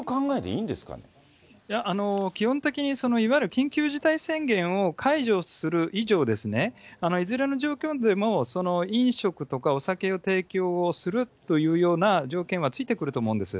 いや、基本的に、いわゆる緊急事態宣言を解除する以上、いずれの状況でも飲食とかお酒を提供するというような条件は付いてくると思うんです。